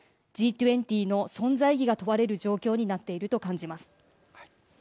Ｇ２０の存在意義が問われる状況になっていると感じます。